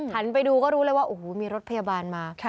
ไปดูก็รู้เลยว่าโอ้โหมีรถพยาบาลมา